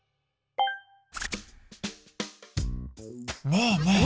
ねえねえ